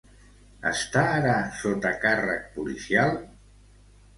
Està ara sota càrrec policial?